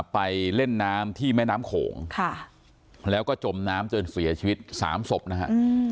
ไปเล่นน้ำที่แม่น้ำโขงแล้วก็จมน้ำจนเสียชีวิต๓ศพนะฮะ